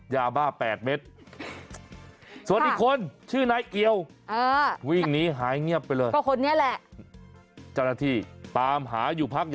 ยาบ้า๘เมตร